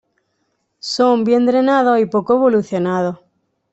Son bien drenados y poco evolucionados.